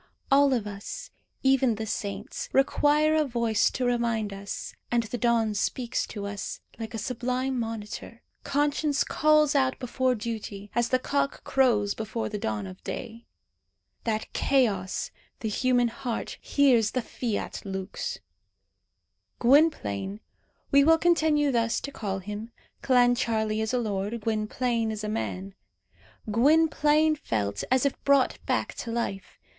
All of us, even the saints, require a voice to remind us; and the dawn speaks to us, like a sublime monitor. Conscience calls out before duty, as the cock crows before the dawn of day. That chaos, the human heart, hears the fiat lux! Gwynplaine we will continue thus to call him (Clancharlie is a lord, Gwynplaine is a man) Gwynplaine felt as if brought back to life.